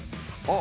あ。